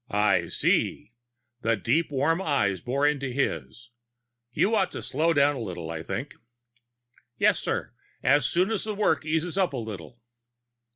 "I see." The deep, warm eyes bored into his. "You ought to slow down a little, I think." "Yes, sir. As soon as the work eases up a little."